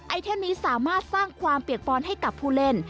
เทนนี้สามารถสร้างความเปียกป้อนให้กับผู้เล่น